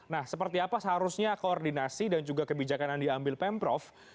nah seperti apa seharusnya koordinasi dan juga kebijakan yang diambil pemprov